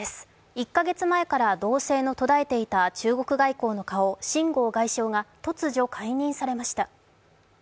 １か月前から動静が途絶えていた中国外交の顔、秦剛外相が突如、解任されました。